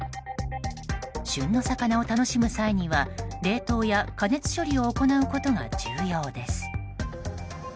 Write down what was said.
旬の魚を楽しむ際には、冷凍や加熱処理を行うことが重要です。